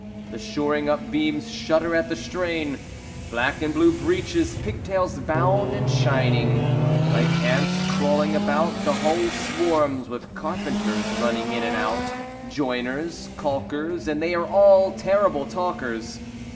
The shoring up beams shudder at the strain. Black and blue breeches, Pigtails bound and shining: Like ants crawling about, The hull swarms with carpenters, running in and out. Joiners, calkers, And they are all terrible talkers.